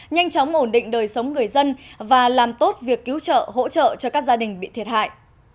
nhanh chóng ổn định đời sống người dân và làm tốt việc cứu trợ hỗ trợ cho các gia đình bị thiệt hại